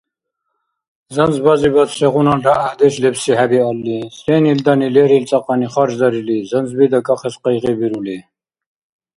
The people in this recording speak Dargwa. Занзбазибад сегъуналра гӀяхӀдеш лебси хӀебиалли, сен илдани, лерил цӀакьани харждарили, занзби дакӀахъес къайгъибирули?